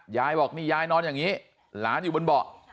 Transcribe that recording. ยายบอกนี่ยายนอนอย่างนี้หลานอยู่บนเบาะ